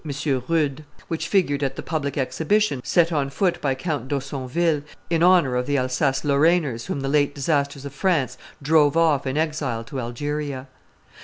Rudde, which figured at the public exhibition set on foot by Count d'Haussonville, in honor of the Alsace Lorrainers whom the late disasters of France drove off in exile to Algeria.